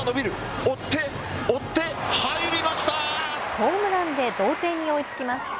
ホームランで同点に追いつきます。